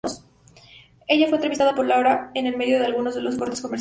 Ella fue entrevistada por Laura en el medio de algunos de los cortes comerciales.